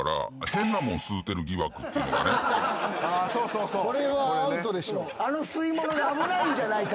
そうそうそう。